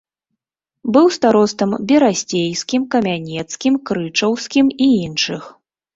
Быў старостам берасцейскім, камянецкім, крычаўскім і іншых.